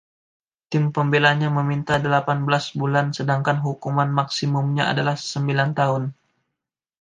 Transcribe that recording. Tim pembelanya meminta delapan belas bulan, sedangkan hukuman maksimumnya adalah sembilan tahun.